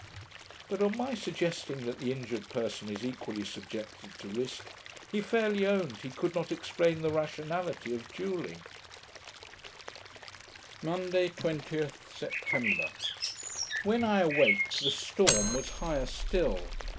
But on my suggesting that the injured person is equally subjected to risk, he fairly owned he could not explain the rationality of duelling. Monday, 20th September When I awaked, the storm was higher still.